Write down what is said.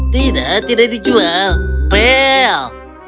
tidak tidak dijual belle